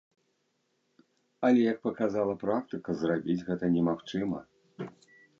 Але, як паказала практыка, зрабіць гэта немагчыма.